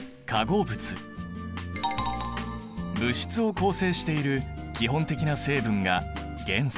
物質を構成している基本的な成分が元素。